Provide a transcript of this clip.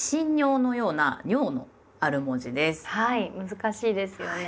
難しいですよね。